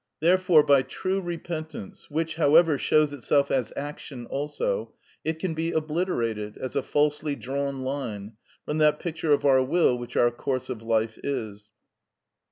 Therefore, by true repentance, which, however, shows itself as action also, it can be obliterated, as a falsely drawn line, from that picture of our will which our course of life is.